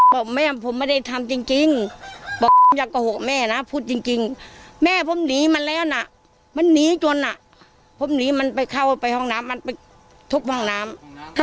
บอกแม่ผมไม่ได้ทำจริงบอกอย่าโกหกแม่นะพูดจริงแม่ผมหนีมันแล้วนะมันหนีจนอ่ะผมหนีมันไปเข้าไปห้องน้ำมันไปทุบห้องน้ำ